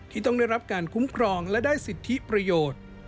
ที่ต้องได้รับการคุ้มครองและได้สิทธิประโยชน์